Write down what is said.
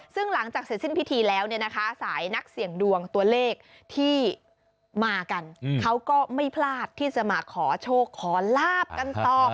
ซึ่งหลังจากเสร็จสิ้นพิธีแล้วเนี่ยนะคะสายนักเสี่ยงดวงตัวเลขที่มากันเขาก็ไม่พลาดที่จะมาขอโชคขอลาบกันต่อ